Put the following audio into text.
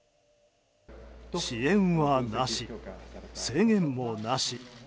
支援はなし、制限もなし。